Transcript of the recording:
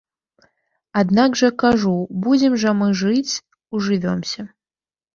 Аднак жа, кажу, будзем жа мы жыць, ужывёмся.